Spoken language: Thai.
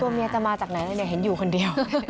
เมียจะมาจากไหนเลยเนี่ยเห็นอยู่คนเดียว